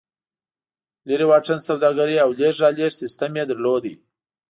لرې واټن سوداګري او لېږد رالېږد سیستم یې درلود.